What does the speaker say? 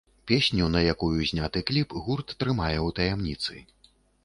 Песню, на якую зняты кліп, гурт трымае ў таямніцы.